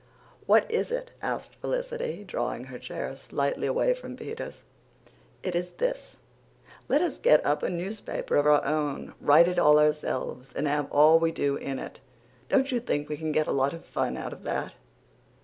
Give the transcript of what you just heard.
"What is it?" asked Felicity, drawing her chair slightly away from Peter's. "It is this. Let us get up a newspaper of our own write it all ourselves, and have all we do in it. Don't you think we can get a lot of fun out of it?"